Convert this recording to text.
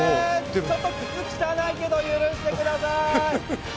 ちょっと靴、汚いけど許してください。